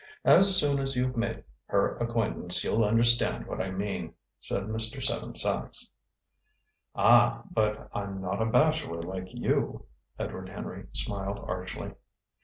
As soon as you've made her acquaintance you'll understand what I mean," said Mr. Seven Sachs. "Ah! But I'm not a bachelor like you," Edward Henry smiled archly.